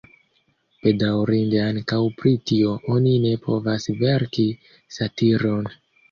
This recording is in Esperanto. Bedaŭrinde ankaŭ pri tio oni ne povas verki satiron.